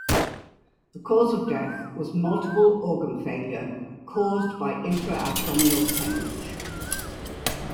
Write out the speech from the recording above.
The cause of death was multiple organ failure caused by intra-abdominal hemorrhage.